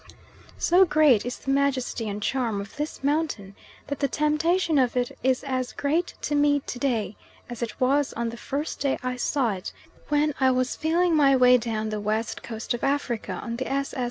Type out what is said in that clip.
So great is the majesty and charm of this mountain that the temptation of it is as great to me to day as it was on the first day I saw it, when I was feeling my way down the West Coast of Africa on the S.S.